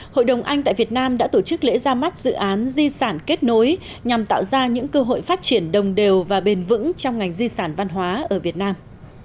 hội đồng anh tại việt nam đã tổ chức lễ ra mắt dự án di sản kết nối nhằm tạo ra những cơ hội phát triển đồng đều và bền vững trong ngành di sản văn hóa ở việt nam